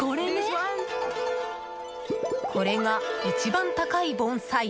これが一番高い盆栽。